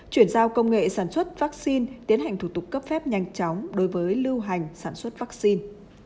chuyển giao công nghệ sản xuất vắc xin tiến hành thủ tục cấp phép nhanh chóng đối với lưu hành sản xuất vắc xin